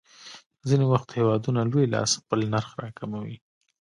ځینې وخت هېوادونه لوی لاس خپل نرخ راکموي.